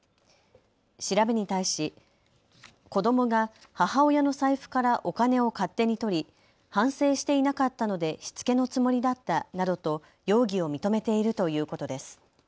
調べに対し子どもが母親の財布からお金を勝手にとり反省していなかったのでしつけのつもりだったなどと容疑を認めているということです。